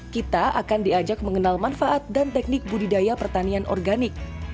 kita akan diajak mengenal manfaat dan teknik budidaya pertanian organik